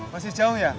masih jauh ya